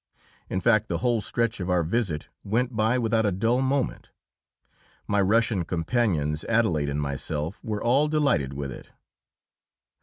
In fact, the whole stretch of our visit went by without a dull moment; my Russian companions, Adelaide and myself were all delighted with it.